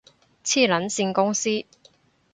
黐撚線公司